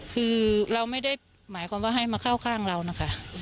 คือเราไม่ได้หมายความว่าให้มาเข้าข้างเรานะคะ